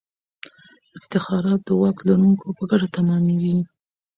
افتخارات د واک لرونکو په ګټه تمامیږي.